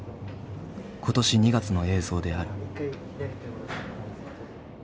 今年２月の映像である。